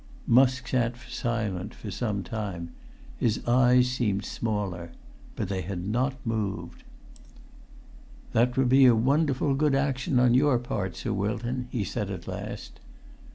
Musk sat silent for some time. His eyes seemed smaller. But they had not moved. "That would be a wonderful good action on your part, Sir Wilton," he said at last.